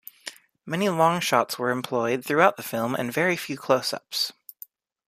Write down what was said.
Many long-shots were employed throughout the film and very few close-ups.